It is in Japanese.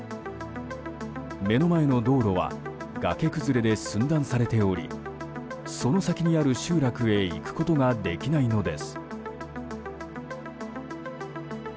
目の前の道路は崖崩れで寸断されておりその先にある集落へ行くことができないのです。